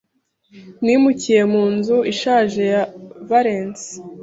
Nimukiye mu nzu ishaje ya Valency .